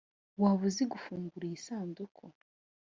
waba uzi gufungura iyi sanduku?